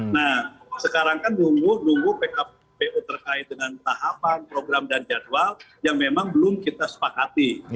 nah sekarang kan nunggu nunggu pkpu terkait dengan tahapan program dan jadwal yang memang belum kita sepakati